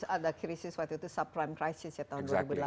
ada krisis waktu itu subprime crisis ya tahun dua ribu delapan